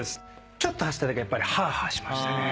ちょっと走っただけでやっぱりハアハアしましたね。